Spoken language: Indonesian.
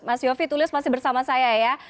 mas yofi tulis masih bersama saya ya